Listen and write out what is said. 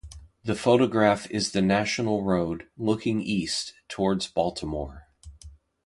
The photograph is the National Road, looking east toward Baltimore.